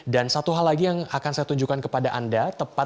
dan satu hal lagi yang akan saya tunjukkan kepada anda